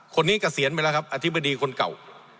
คนนี้กระเสียนไปแล้วครับอธิบดีคนเก่า